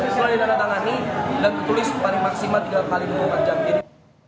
selain dana tangani dan tertulis paling maksimal tiga kali memulakan jam ini